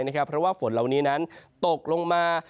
เพราะว่าฝนเหล่านี้นั้นตกลงมา